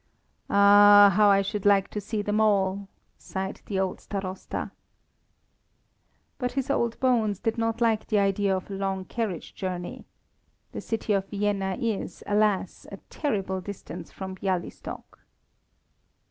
"Ah, how I should like to see them all!" sighed the old Starosta. But his old bones did not like the idea of a long carriage journey. The City of Vienna is, alas! a terrible distance from Bialystok.